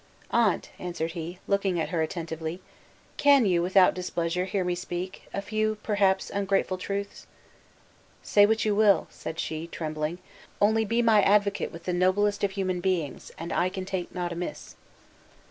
"Aunt," answered he, looking at her attentively, "can you, without displeasure, hear me speak a few, perhaps ungrateful, truths?" "Say what you will," said she, trembling; "only be my advocate with the noblest of human beings, and I can take naught amiss."